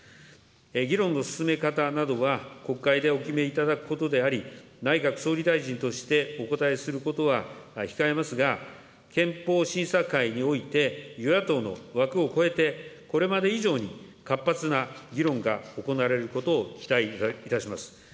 議論の進め方などは、国会でお決めいただくことであり、内閣総理大臣としてお答えすることは控えますが、憲法審査会において与野党の枠を超えて、これまで以上に活発な議論が行われることを期待いたします。